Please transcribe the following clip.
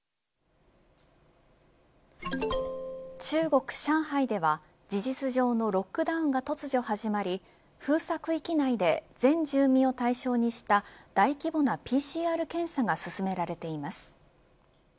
中国、上海では事実上のロックダウンが突如始まり封鎖区域内で全住民を対象にした大規模なＰＣＲ検査が進められています。